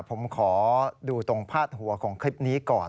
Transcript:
ผมขอดูตรงพาดหัวของคลิปนี้ก่อน